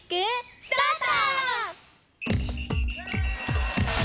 スタート！